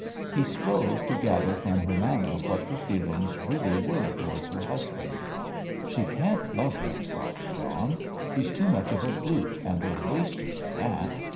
He strove to gather from her manner what her feelings really were towards her husband. "She can't love him," thought John; "he's too much of a brute and a waster for that.